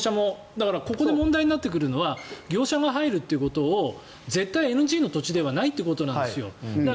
だからここで問題になってくるのは業者が入るということを絶対ＮＧの土地ではないということなんですよ。